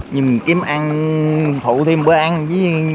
nhưng mình kiếm ăn thụ thêm bữa ăn chứ